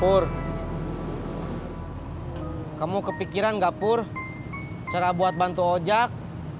pur kamu kepikiran gak pur cara buat bantu ojak